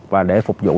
và để phục vụ